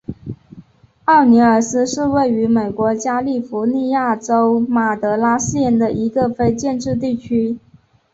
奥尼尔斯是位于美国加利福尼亚州马德拉县的一个非建制地区。